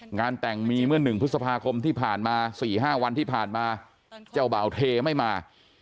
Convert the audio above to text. งานแต่งมีเมื่อ๑พฤษภาคมที่ผ่านมา๔๕วันที่ผ่านมาเจ้าบ่าวเทไม่มา